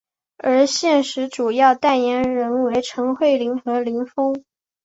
而现时主要代言人为陈慧琳和林峰。